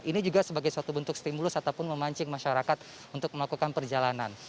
ini juga sebagai suatu bentuk stimulus ataupun memancing masyarakat untuk melakukan perjalanan